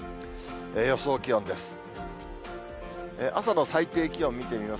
予想気温です。